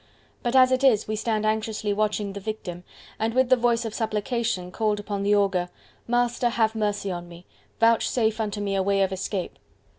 But as it is we stand anxiously watching the victim, and with the voice of supplication call upon the augur:—"Master, have mercy on me: vouchsafe unto me a way of escape!"